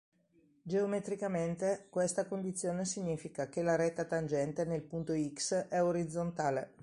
Geometricamente questa condizione significa che la retta tangente nel punto "x" è orizzontale.